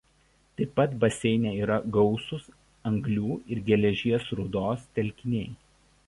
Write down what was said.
Taip pat baseine yra gausūs anglių ir geležies rūdos telkiniai.